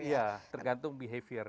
iya tergantung behavior